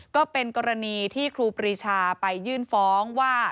ก็เป็นกรณีที่ครูปรีชาไปยื่นฟ้องว่า